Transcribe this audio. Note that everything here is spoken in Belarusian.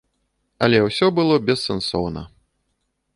Але ўсё было бессэнсоўна.